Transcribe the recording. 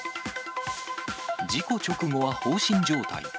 事故直後は放心状態。